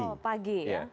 oh pagi ya